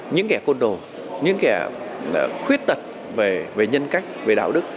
những kẻ côn đồ những kẻ khuyết tật về nhân cách về đạo đức